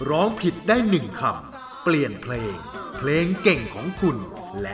รายการต่อไปนี้เป็นรายการทั่วไปสามารถรับชมได้ทุกวัย